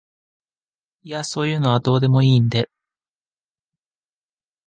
いやそういうのはどうでもいいんで